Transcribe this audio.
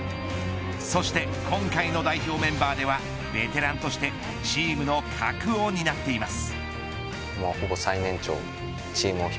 そして今回の代表メンバーではベテランとしてチームの核を担っています。